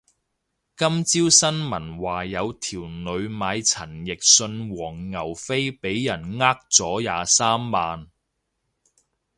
今朝新聞話有條女買陳奕迅黃牛飛俾人呃咗廿三萬